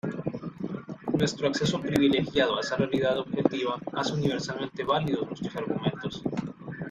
Nuestro acceso privilegiado a esa realidad objetiva hace universalmente válidos nuestros argumentos.